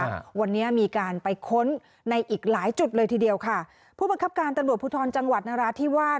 อ่าวันนี้มีการไปค้นในอีกหลายจุดเลยทีเดียวค่ะผู้บังคับการตำรวจภูทรจังหวัดนราธิวาส